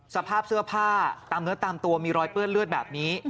สภาพเสื้อผ้าตามเนื้อตามตัวมีรอยเปื้อนเลือดแบบนี้